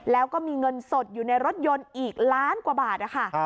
แล้วก็มีเงินสดอยู่ในรถยนต์อีกล้านกว่าบาทนะคะ